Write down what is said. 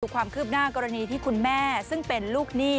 ความคืบหน้ากรณีที่คุณแม่ซึ่งเป็นลูกหนี้